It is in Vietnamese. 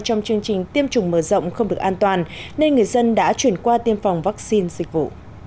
trong chương trình tiêm chủng mở rộng không được an toàn nên người dân đã chuyển qua tiêm phòng vaccine dịch vụ